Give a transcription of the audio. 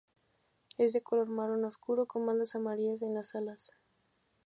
Es de color marrón oscuro con bandas amarillas en las alas.